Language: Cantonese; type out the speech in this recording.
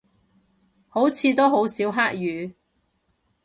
好似都好少黑雨